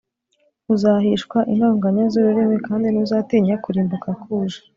uzahishwa intonganya z’ururimi, kandi ntuzatinya kurimbuka kuje